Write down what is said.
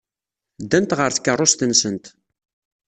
Ddant ɣer tkeṛṛust-nsent.